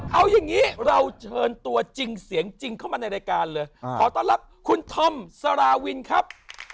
เอาอย่างนี้เราเชิญตัวจริงเสียงจริงเข้ามาในรายการเลยขอต้อนรับคุณธอมสาราวินครับ